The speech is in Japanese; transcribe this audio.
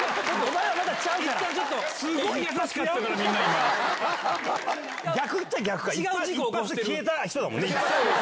すごい優しかったから、逆いって、一発で消えた人だもんね。